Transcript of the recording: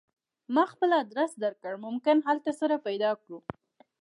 ما خپل ادرس درکړ ممکن هلته سره پیدا کړو